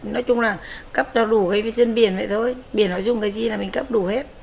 nói chung là cấp cho đủ cái dân biển vậy thôi biển họ dùng cái gì là mình cấp đủ hết